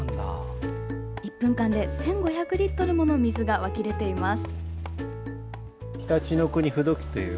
１分間で１５００リットルもの水が湧き出ています。